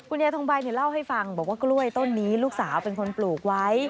ยายทองใบเล่าให้ฟังบอกว่ากล้วยต้นนี้ลูกสาวเป็นคนปลูกไว้